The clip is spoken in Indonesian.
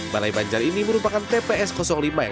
balai banjar ini merupakan tps lima yang